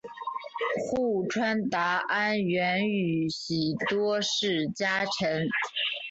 户川达安原宇喜多氏家臣。